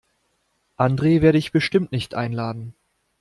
Andre werde ich bestimmt nicht einladen.